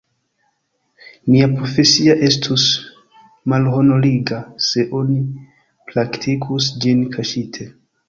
Nia profesio estus malhonoriga, se oni praktikus ĝin kaŝite.